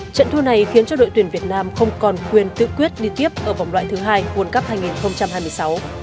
trận thua này khiến cho đội tuyển việt nam không còn quyền tự quyết đi tiếp ở vòng loại thứ hai world cup hai nghìn hai mươi sáu